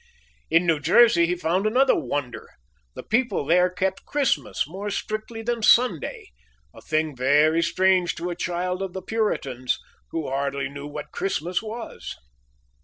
In New Jersey he found another wonder. The people there kept Christmas more strictly than Sunday; a thing very strange to a child of the Puritans, who hardly knew what Christmas was.